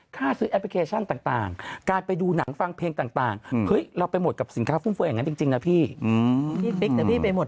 ถ้าไม่เข้ารัดก็จะเข้าบ้านเขาเลยแน่ครับ